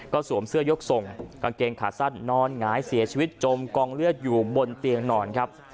สวมเสื้อยกส่งกางเกงขาสั้นนอนหงายเสียชีวิตจมกองเลือดอยู่บนเตียงนอนครับ